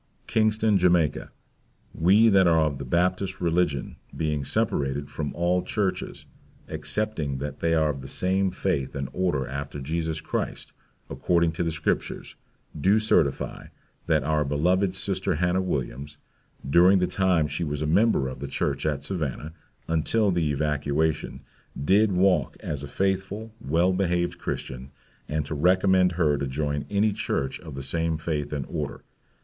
Kingston, Jamaica, we that are of the Baptist Religion, being separated from all churches, excepting they are of the same faith and order after Jesus Christ, according to the scriptures, do certify, that our beloved Sister Hannah Williams, during the time she was a member of the Church at Savannah, until the evacuation, did walk as a faithful, well behaved Christian, and to recommend her to join any church of the same faith and order.